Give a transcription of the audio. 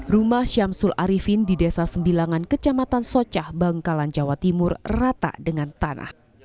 rumah syamsul arifin di desa sembilanan kecamatan socah bangkalan jawa timur rata dengan tanah